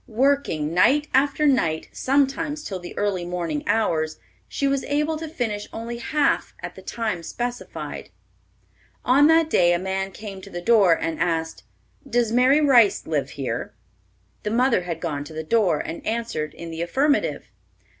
Working night after night, sometimes till the early morning hours, she was able to finish only half at the time specified. On that day a man came to the door and asked, "Does Mary Rice live here?" The mother had gone to the door, and answered in the affirmative.